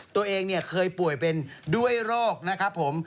ตัวเองเนี่ยเคยป่วยเป็นด้วยโรคนะครับผม